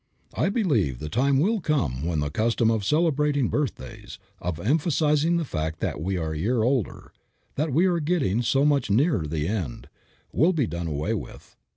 I believe the time will come when the custom of celebrating birthdays, of emphasizing the fact that we are a year older, that we are getting so much nearer the end, will be done away with.